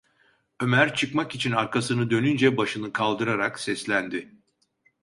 Ömer çıkmak için arkasını dönünce başını kaldırarak seslendi: